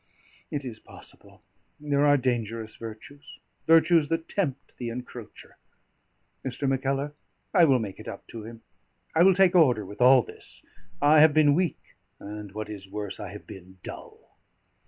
It is possible; there are dangerous virtues: virtues that tempt the encroacher. Mr. Mackellar, I will make it up to him; I will take order with all this. I have been weak; and, what is worse, I have been dull."